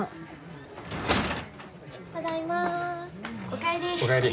お帰り。